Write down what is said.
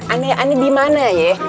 aneh aneh dimana ye